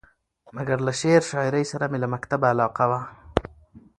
مګر له شعر شاعرۍ سره مې له مکتبه علاقه وه.